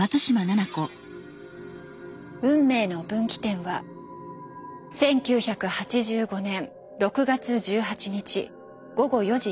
運命の分岐点は１９８５年６月１８日午後４時３０分。